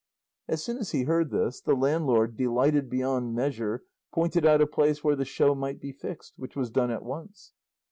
As soon as he heard this, the landlord, delighted beyond measure, pointed out a place where the show might be fixed, which was done at once.